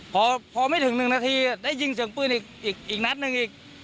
พอพอไม่ถึงหนึ่งนาทีได้ยิงเสียงปืนอีกอีกอีกนัดหนึ่งอีก